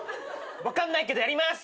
分かんないけどやります！